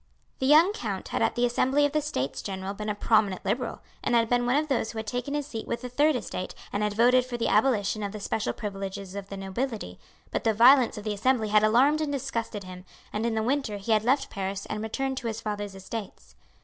The young count had at the assembly of the States General been a prominent liberal, and had been one of those who had taken his seat with the third estate and had voted for the abolition of the special privileges of the nobility, but the violence of the Assembly had alarmed and disgusted him, and in the winter he had left Paris and returned to his father's estates.